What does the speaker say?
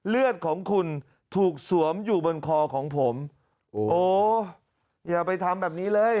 เลือดของคุณถูกสวมอยู่บนคอของผมโอ้อย่าไปทำแบบนี้เลย